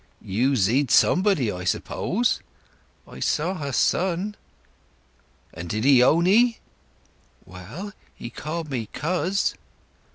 "You zid somebody, I suppose?" "I saw her son." "And did he own 'ee?" "Well—he called me Coz."